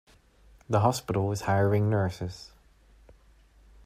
The hospital is hiring nurses.